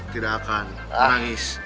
tidak akan nangis